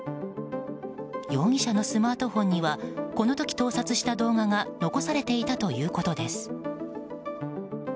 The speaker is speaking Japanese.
容疑者のスマートフォンにはこの時、盗撮した動画が残されていたということです。